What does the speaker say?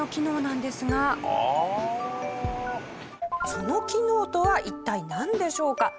その機能とは一体なんでしょうか？